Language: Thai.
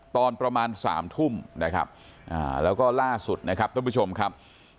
ตอนประมาณ๓ทุ่มนะครับแล้วก็ล่าสุดนะครับท่านผู้ชมครับ